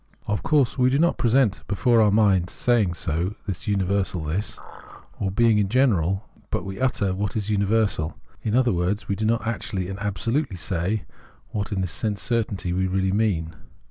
Of course we do not present before our mind in saying so the universal this, or being in general, but we utter what is universal ; in other words, we do not actually and absolutely say what in this sense certainty we really mean.